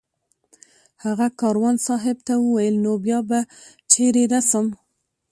هغه کاروان صاحب ته وویل نو بیا به چېرې رسم